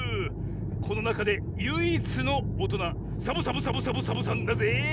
このなかでゆいいつのおとなサボサボサボサボサボさんだぜぇ！